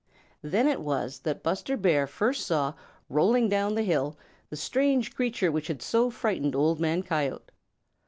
Then it was that Buster Bear first saw, rolling down the hill, the strange creature which had so frightened Old Man Coyote.